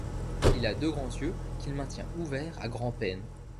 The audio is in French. Il a deux grands yeux qu'il maintient ouverts à grand peine.